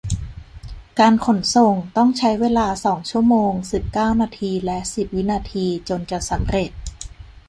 การขนส่งต้องใช้เวลาสองชั่วโมงสิบเก้านาทีและสิบวินาทีจนจะสำเร็จ